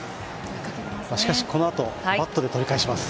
しかし、このあとバットで取り返します。